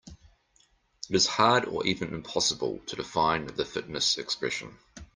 It is hard or even impossible to define the fitness expression.